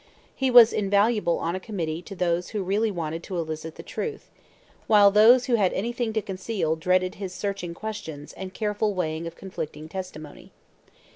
He was invaluable on a committee to those who really wanted to elicit the truth; while those who had anything to conceal dreaded his searching questions and careful weighing of conflicting testimony.